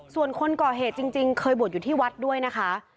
ส่วนคนก่อเหตุจริงเคยบวชอยู่ที่วัดด้วยนะคะ